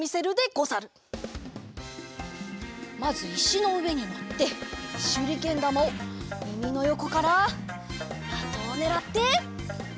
まずいしのうえにのってしゅりけんだまをみみのよこからまとをねらってはっ！